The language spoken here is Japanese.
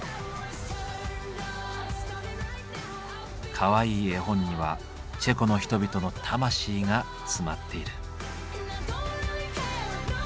かわいい絵本にはチェコの人々の魂が詰まっている。